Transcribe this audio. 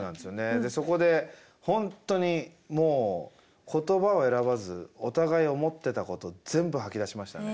でそこで本当にもう言葉を選ばずお互い思ってたこと全部吐き出しましたね。